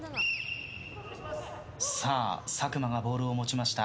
佐久間がボールを持ちました。